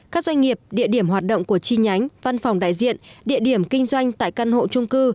các doanh nghiệp địa điểm hoạt động của chi nhánh văn phòng đại diện địa điểm kinh doanh tại căn hộ trung cư